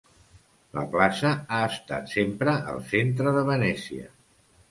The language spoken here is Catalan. La plaça ha estat sempre el centre de Venècia.